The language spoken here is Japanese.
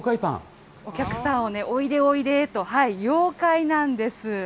お客さんをおいでおいでと、妖怪なんです。